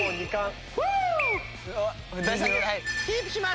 キープします。